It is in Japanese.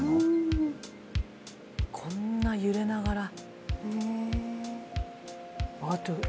こんな揺れながら。